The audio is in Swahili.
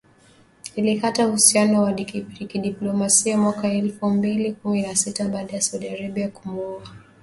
Ilikata uhusiano wa kidiplomasia mwaka elfu mbili kumi na sita, baada ya Saudi Arabia kumuua kiongozi maarufu wa kishia, aliyejulikana kama Nimr al-Nimr